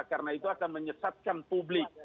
karena itu akan menyesatkan publik